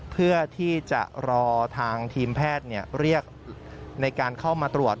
เพื่อที่จะรอทางทีมแพทย์เรียกในการเข้ามาตรวจ